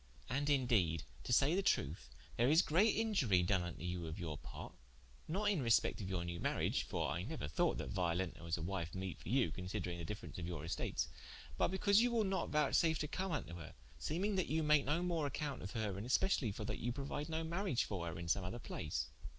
And in deede to say the truth, there is great iniurie doen vnto her of your parte, not in respecte of your new mariage: (for I neuer thought that Violenta was a wife meete for you, considering the difference of your estates) but because you wil not vouchsafe to come vnto her, seeming that you make no more accompte of her and speciallye for that you prouide no mariage for her in som other place.